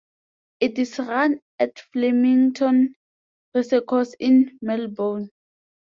It is run at Flemington Racecourse in Melbourne.